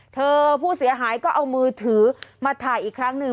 ผู้เสียหายก็เอามือถือมาถ่ายอีกครั้งหนึ่ง